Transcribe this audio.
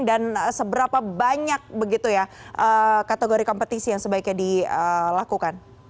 dan seberapa banyak begitu ya kategori kompetisi yang sebaiknya dilakukan